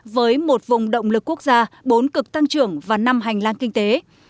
với một vùng động lực quốc gia bốn cực tăng trưởng và năm hành lang kinh tế